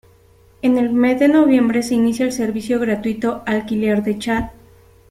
En el mes de noviembre se inicia el servicio gratuito "Alquiler de chat".